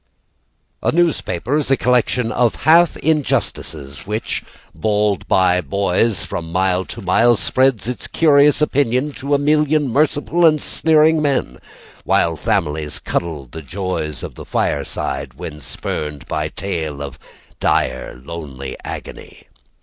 A newspaper is a collection of half injustices Which, bawled by boys from mile to mile, Spreads its curious opinion To a million merciful and sneering men, While families cuddle the joys of the fireside When spurred by tale of dire lone agony.